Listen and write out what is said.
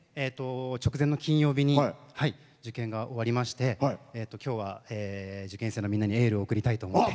直前の金曜日に受験が終わりまして今日は、受験生のみんなにエールを送りたいと思って。